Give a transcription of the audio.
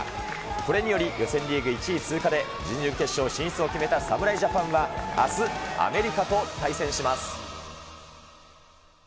これにより、予選リーグ１位通過で、準々決勝進出を決めた侍ジャパンは、あすアメリカと対戦します。